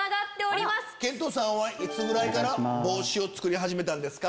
いつぐらいから帽子を作り始めたんですか？